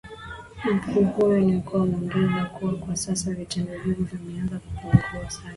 Mkuu huyo wa ukoo ameongeza kuwa kwa sasa vitendo hivyo vimeanza kupungua sana